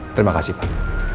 terima kasih pak